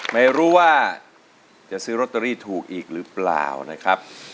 ไม่รู้ว่าจะซื้อลอตเตอรี่ถูกอีกหรือเปล่านะครับ